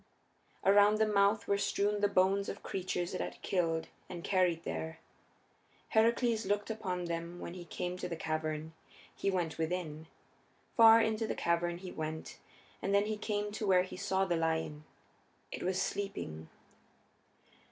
Around the mouth were strewn the bones of creatures it had killed and carried there. Heracles looked upon them when he came to the cavern. He went within. Far into the cavern he went, and then he came to where he saw the lion. It was sleeping.